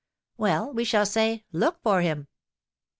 "Well, we shall say, 'Look for him.'"